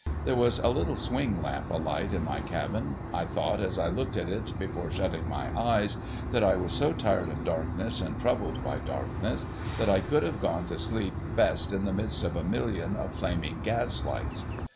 There was a little swing lamp alight in my cabin. I thought, as I looked at it before shutting my eyes, that I was so tired of darkness, and troubled by darkness, that I could have gone to sleep best in the midst of a million of flaming gas lights.